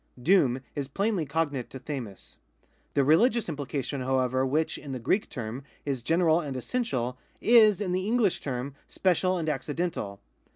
^ Doom is plainly cognate to (^f'^uc The religious implication, however, which, in the Greek term, is general and essential, is, in the iMiglish term, special and accidental.